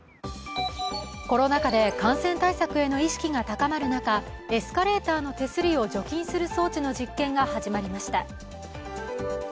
コロナ禍で感染対策への意識が高まる中、エスカレーターの手すりを除菌する装置の実験が始まりました。